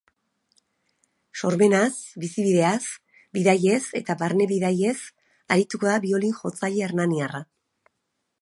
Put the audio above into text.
Sormenaz, bizibideaz, bidaiez eta barne bidaiez arituko da biolin-jotzaile hernaniarra.